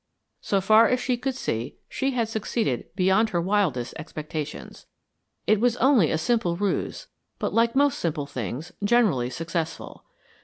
So far as she could see, she had succeeded beyond her wildest expectations. It was only a simple ruse, but like most simple things, generally successful.